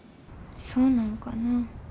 そうなんかなぁ。